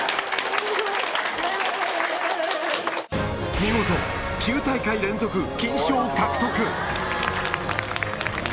見事、９大会連続金賞獲得！